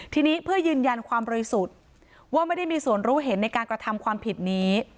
ทีนี้เพื่อยืนยันความบริสุทธิ์ว่าไม่ได้มีส่วนรู้เห็นในการกระทำความผิดนี้